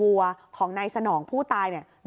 พอหลังจากเกิดเหตุแล้วเจ้าหน้าที่ต้องไปพยายามเกลี้ยกล่อม